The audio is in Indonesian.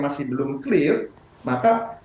masih belum clear maka